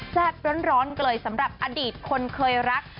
สับร้อนกิรยุสำหรับอดีตคนเคยรัก